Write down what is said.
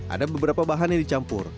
ada beberapa bahan yang dicampur